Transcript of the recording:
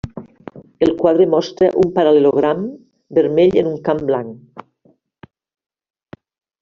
El quadre mostra un paral·lelogram vermell en un camp blanc.